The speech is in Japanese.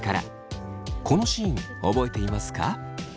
このシーン覚えていますか？